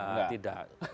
oh tidak tidak